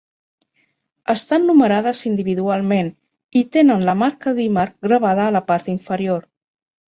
Estan numerades individualment i tenen la "marca d'Imar" gravada a la part inferior.